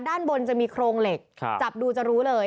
ด้านบนจะมีโครงเหล็กจับดูจะรู้เลย